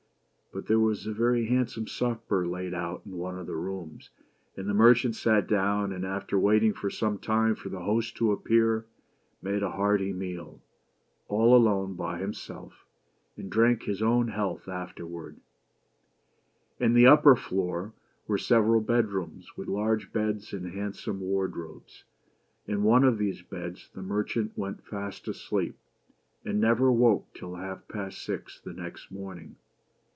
But there was a very handsome supper laid out in one of the rooms ; and the merchant sat down, and after waiting for some time for the host to appear, made a hearty meal, all alone by himself, and drank his own health afterward. 92 BEAUTY AND THE BEAST. In the upper floor were several bed rooms, with large beds and handsome wardrobes. In one of these beds the mer chant went fast asleep, and never woke till half past six the next morning.